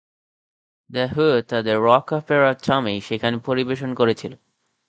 The Who তাদের rock opera "Tommy" সেখানে পরিবেশন করেছিল।